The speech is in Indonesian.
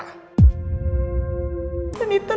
intan bukan anak yatim piatu